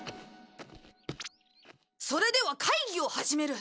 それでは会議を始める！